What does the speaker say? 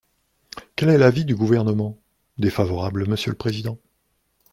Quel est l’avis du Gouvernement ? Défavorable, monsieur le président.